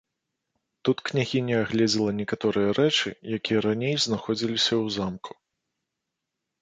Тут княгіня агледзела некаторыя рэчы, якія раней знаходзіліся ў замку.